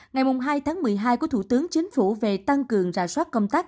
ngày hai tháng một mươi hai của thủ tướng chính phủ về tăng cường rà soát công tác